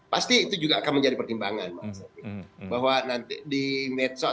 pasti itu juga akan menjadi pertimbangan